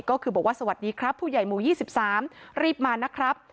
ก็คือบอกว่าสวัสดีครับผู้ใหญ่หมู่๒๓รีบมานะครับ